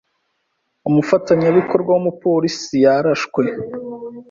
Umufatanyabikorwa w’umupolisi yarashwe. )